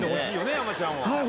山ちゃんは。